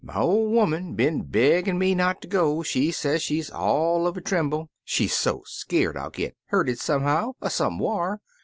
My ol' 'oman been beggin' me xiot ter go; she say she's all uv a trimble, she so skeered I'll git hurted somehow er somewhar.